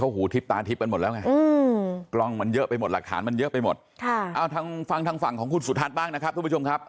หลักฐานมันเยอะไปหมดฟังทางฝั่งของคุณสุทัศน์บ้างนะครับทุกผู้ชมครับ